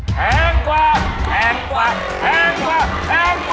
แพงกว่าแพงกว่าแพงกว่าแพงกว่า